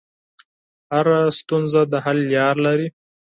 هره ستونزه د حل لاره لري.